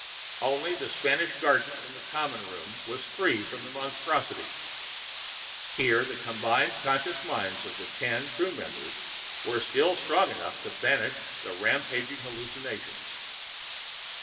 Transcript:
Only the Spanish garden in the common room was free of the monstrosities. Here, the combined conscious minds of the ten crew members were still strong enough to banish the rampaging hallucinations.